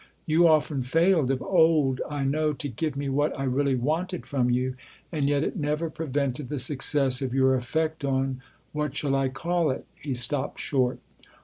You often failed of old, I know, to give me what I really wanted from you, and yet it never prevented the success of your effect on what shall I call it ?" He stopped short.